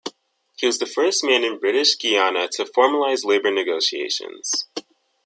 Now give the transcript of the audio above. He was the first man in British Guiana to formalize labour negotiations.